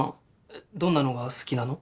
えっどんなのが好きなの？